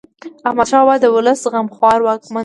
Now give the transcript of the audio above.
احمد شاه بابا د ولس غمخوار واکمن و.